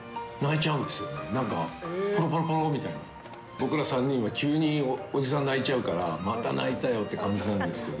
僕ら３人は急におじさんが泣いちゃうからまた泣いたよって感じなんですけど。